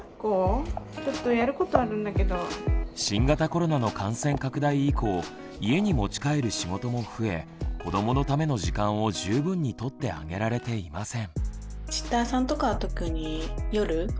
新型コロナの感染拡大以降家に持ち帰る仕事も増え子どものための時間を十分にとってあげられていません。